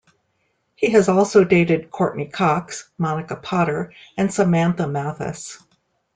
He has also dated Courteney Cox, Monica Potter, and Samantha Mathis.